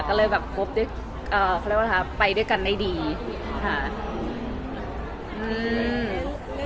ก็เลยแบบคบด้วยอ่าเขาเรียกว่านะคะไปด้วยกันได้ดีค่ะอืม